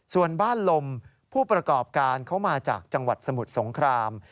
ส่วนบ้านลมผู้ประกอบการเขามาจากจังหวัดสมุทรสงคราม